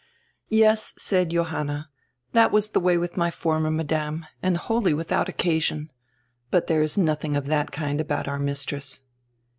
"Yes," said Johanna, "that was the way with my former madame, and wholly without occasion. But there is nothing of that kind about our mistress."